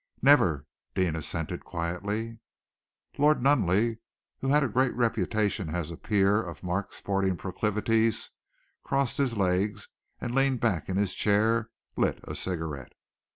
"Never," Deane assented quietly. Lord Nunneley, who had a great reputation as a peer of marked sporting proclivities, crossed his legs, and, leaning back in his chair, lit a cigarette.